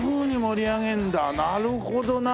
なるほどな。